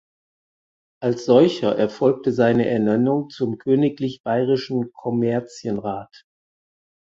Als solcher erfolgte seine Ernennung zum Königlich Bayerischen Kommerzienrat.